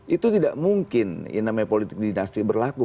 itu tidak mungkin yang namanya politik dinasti berlaku